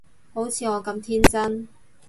好似我咁天真